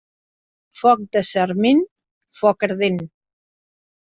Foc de sarment, foc ardent.